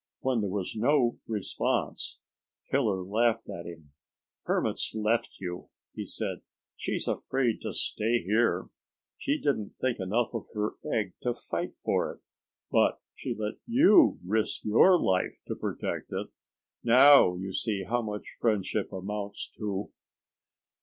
When there was no response, Killer laughed at him. "Hermit's left you," he said. "She's afraid to stay here. She didn't think enough of her egg to fight for it, but she let you risk your life to protect it. Now you see how much friendship amounts to!"